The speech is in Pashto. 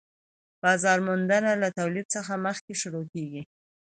بازار موندنه له تولید څخه مخکې شروع کيږي